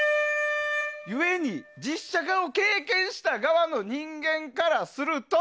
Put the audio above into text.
ゆえに、実写化を経験した側の人間からすると